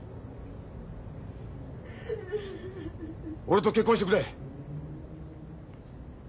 俺と結婚してくれ！